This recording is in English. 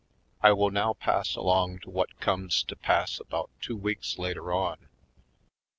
I will now pass along to what comes to pass about two weeks later on.